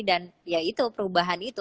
dan ya itu perubahan itu